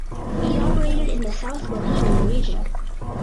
He operated in the South Bohemian Region.